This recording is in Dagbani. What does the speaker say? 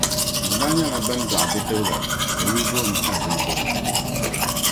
Bɛ daa nyɛla ban doɣi bidibiga ka o yuli booni Azindoo